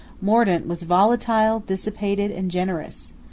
Mordaunt was volatile, dissipated, and generous.